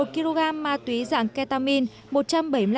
một kg ma túy dạng ketamine